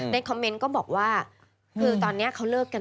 ในคอมเมนต์ก็บอกว่า